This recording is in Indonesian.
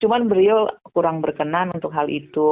cuma beliau kurang berkenan untuk hal itu